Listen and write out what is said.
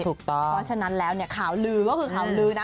เพราะฉะนั้นแล้วเนี่ยข่าวลือก็คือข่าวลือนะ